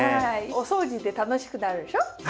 お掃除って楽しくなるでしょ？ね。